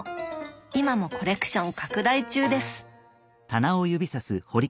今もコレクション拡大中です。